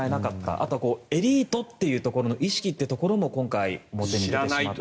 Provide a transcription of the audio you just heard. あと、エリートというところの意識というところも今回、表に出てしまった。